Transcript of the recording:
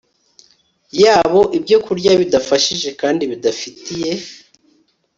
yabo ibyokurya bidafashije kandi bidafitiye